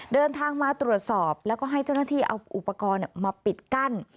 เดินทางมาตรวจสอบแล้วก็ให้เจ้าหน้าที่เอาอุปกรณ์มาปิดกั้น